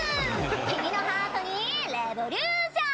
君のハートにレボ☆リューション！